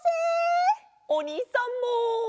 おにいさんも！